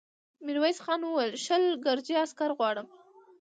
ميرويس خان وويل: شل ګرجي عسکر غواړم.